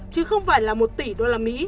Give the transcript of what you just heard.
chứ không phải là một tỷ đô la mỹ